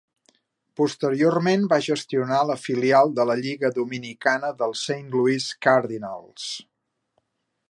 Posteriorment va gestionar la filial de la Lliga Dominicana dels Saint Louis Cardinals.